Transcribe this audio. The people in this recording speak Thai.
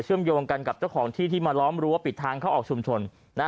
มโยงกันกับเจ้าของที่ที่มาล้อมรั้วปิดทางเข้าออกชุมชน